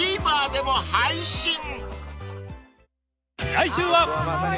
［来週は］